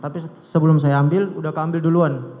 tapi sebelum saya ambil udah keambil duluan